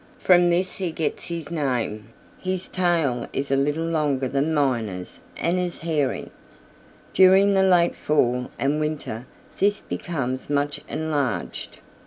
From this he gets his name. His tail is a little longer than Miner's and is hairy. During the late fall and winter this becomes much enlarged.